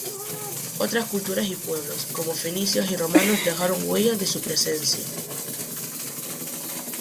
Otras culturas y pueblos, como fenicios y romanos dejaron huellas de su presencia.